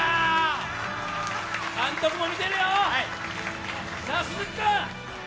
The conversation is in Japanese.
監督も見てるよ！